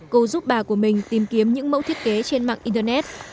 cô giúp bà của mình tìm kiếm những mẫu thiết kế trên mạng internet